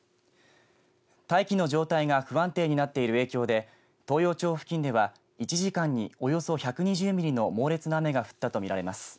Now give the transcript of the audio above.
大気の状態が不安定になっている影響で東洋町付近では１時間におよそ１２０ミリの猛烈な雨が降ったとみられます。